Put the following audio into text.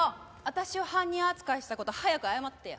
私を犯人扱いした事早く謝ってよ。